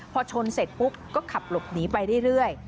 พอชนเสร็จปุ๊บก็ขับหลบหนีไปเรื่อย